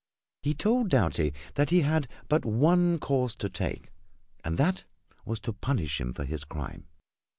He told Doughty that he had but one course to take and that was to punish him for his crime.